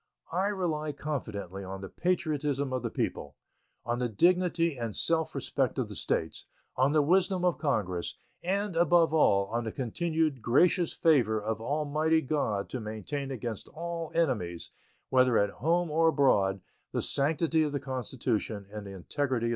I rely confidently on the patriotism of the people, on the dignity and self respect of the States, on the wisdom of Congress, and, above all, on the continued gracious favor of Almighty God to maintain against all enemies, whether at home or abroad, the sanctity of the Constitution and the integrity of the Union.